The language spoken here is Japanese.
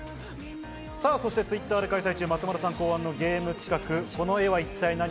Ｔｗｉｔｔｅｒで開催中、松丸さん考案のゲーム企画「この絵は一体ナニ！？」